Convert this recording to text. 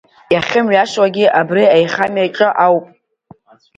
Иахьымҩасуагьы абри аихамҩаҿы ауп!